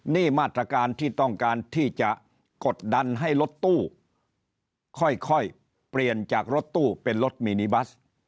นี่มาตรการที่ต้องการที่จะกดดันให้รถตู้ค่อยเปลี่ยนจากรถตู้เป็นรถมินิบัส